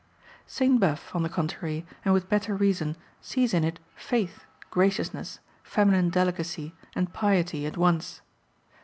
Sainte Beuve, on the contrary, and with better reason, sees in it faith, graciousness, feminine delicacy, and piety at once.